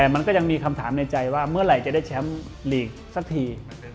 มีคำถามในใจเมื่อไหร่จะได้แชมป์ลีกสักที